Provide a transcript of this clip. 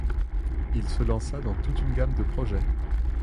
Il se lança dans toute une gamme de projets.